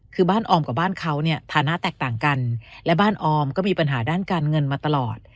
คือบ้านออมกับบ้านเขาเนี่ยฐานะแตกต่างกันและบ้านออมก็มีปัญหาด้านการเงินมาตลอด